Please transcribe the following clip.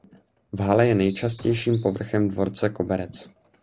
V hale je nejčastějším povrchem dvorce koberec.